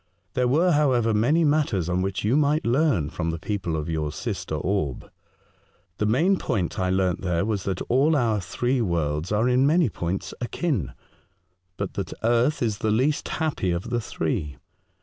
There were, however, many matters on which you might learn from the people of your sister orb. The main point I learnt there was, that all our three worlds are in many points akin, but that earth is the least happy of the three.